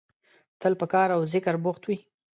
تل په کار او ذکر بوخت وي.